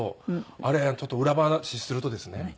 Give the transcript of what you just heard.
あれちょっと裏話するとですね